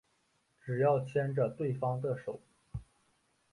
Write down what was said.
只要牵着对方的手